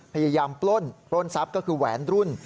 ปล้นปล้นทรัพย์ก็คือแหวนรุ่น